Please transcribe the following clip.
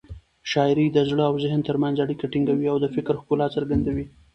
شاعري د زړه او ذهن تر منځ اړیکه ټینګوي او د فکر ښکلا څرګندوي.